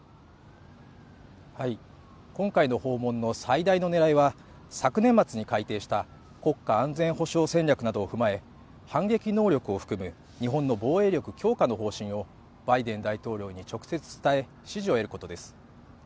今回の訪問の最大の狙いは昨年末に改定した国家安全保障戦略などを踏まえ反撃能力を含む日本の防衛力強化の方針をバイデン大統領に直接伝え支持を得ることです